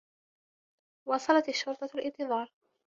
واصلت الشّرطة الانتظار.